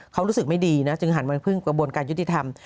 เขารู้สึกไม่ดีนะจึงหันมาพึ่งกระบวนการยุติธรรม